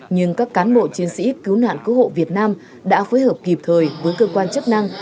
nhưng các cán bộ chiến sĩ cứu nạn cứu hộ việt nam đã phối hợp kịp thời với cơ quan chức năng